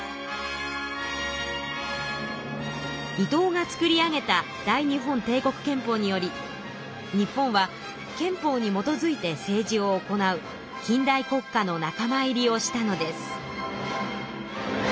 伊藤が作り上げた大日本帝国憲法により日本は憲法にもとづいて政治を行う近代国家の仲間入りをしたのです。